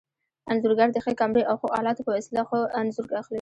انځورګر د ښې کمرې او ښو الاتو په وسیله ښه انځور اخلي.